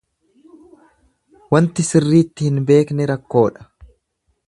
Wanti sirriitti hin beekne rakkoodha.